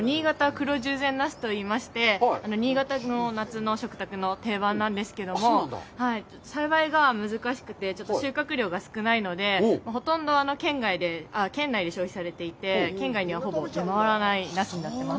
黒十全なすといいまして、新潟の夏の食卓の定番なんですけども、栽培が難しくて、ちょっと収穫量が少ないので、ほとんど県内で消費されていて、県外にはほぼ出回らないナスになってます。